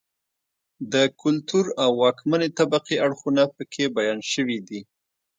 د کلتور او واکمنې طبقې اړخونه په کې بیان شوي دي.